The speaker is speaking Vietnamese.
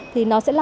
thì nó sẽ làm